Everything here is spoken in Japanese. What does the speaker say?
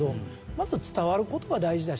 まず伝わる事が大事だし。